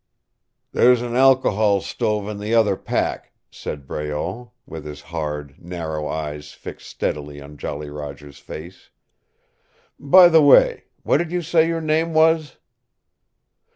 "There's an alcohol stove in the other pack," said Breault, with his hard, narrow eyes fixed steadily on Jolly Roger's face. "By the way, what did you say your name was?"